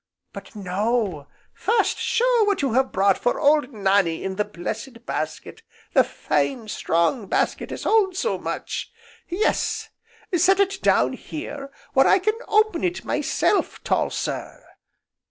But no, first, show what you have brought for Old Nannie in the blessed basket, the fine, strong basket as holds so much. Yes, set it down here where I can open it myself, tall sir.